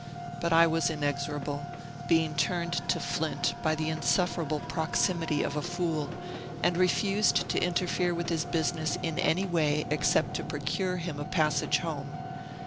But I was inexorable, being turned to flint by the insufferable proximity of a fool, and refused to interfere with his business in any way except to procure him a passage home.